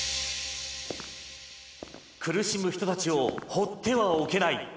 苦しむ人たちを放ってはおけない。